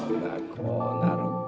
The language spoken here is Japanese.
こうなるか。